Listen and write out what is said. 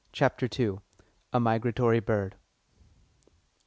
CHAPTER II. A MIGRATORY BIRD.